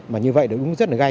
mà như vậy đúng rất là gai